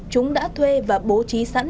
chúng đã thuê và bố trí sẵn